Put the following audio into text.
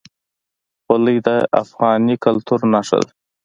خولۍ د افغاني کلتور نښه ده.